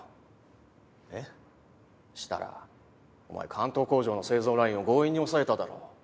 関東工場の製造ラインを強引に押さえただろ。